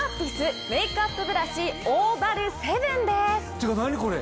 ってか何これ！